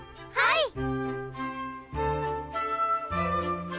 はい！